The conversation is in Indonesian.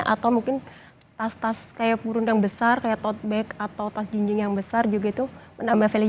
atau mungkin tas tas kayak burundang besar kayak totback atau tas jinjing yang besar juga itu menambah value